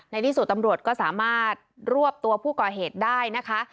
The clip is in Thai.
ในที่สุดตำรวจก็สามารถรวบตัวผู้ก่อเหตุได้นะคะ